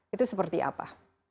itu seperti apa